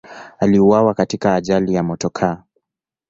Aliuawa katika ajali ya motokaa.